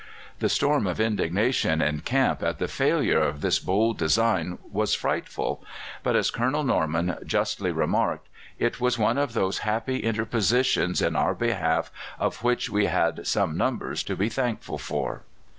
The storm of indignation in camp at the failure of this bold design was frightful. But, as Colonel Norman justly remarked, "It was one of those happy interpositions in our behalf of which we had such numbers to be thankful for."